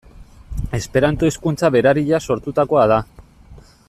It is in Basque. Esperanto hizkuntza berariaz sortutakoa da.